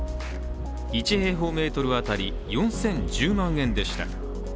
１平方メートルあたり４０１０万円でした。